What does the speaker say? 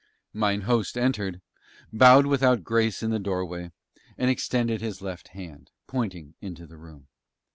Mine host entered, bowed without grace in the doorway, and extended his left hand, pointing into the room.